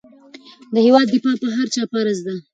د هېواد دفاع په هر چا فرض ده.